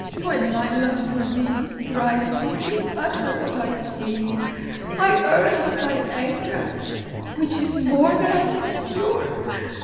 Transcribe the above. "When my love for thee drives me to utter what I see, I earn but thy anger, which is more than I can endure.